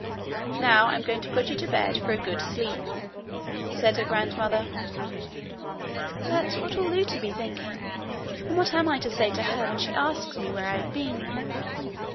'Now I am going to put you to bed for a good sleep,' said her grandmother. 'But what will Lootie be thinking? And what am I to say to her when she asks me where I have been?'